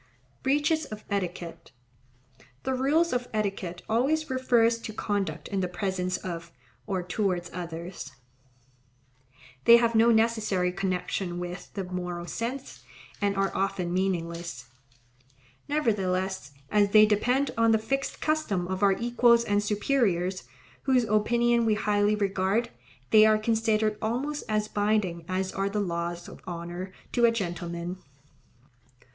Breaches of etiquette.—The rules of etiquette always refer to conduct in the presence of, or towards others. They have no necessary connection with the moral sense, and are often meaningless. Nevertheless as they depend on the fixed custom of our equals and superiors, whose opinion we highly regard, they are considered almost as binding as are the laws of honour to a gentleman.